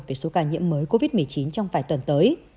về số ca nhiễm mới covid một mươi chín trong vài tuần tới